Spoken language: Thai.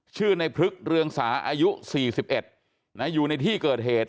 ชื่อในพลึกเรืองสาอายุ๔๑อยู่ในที่เกิดเหตุ